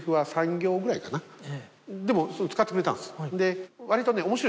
でも使ってくれたんですで割とね。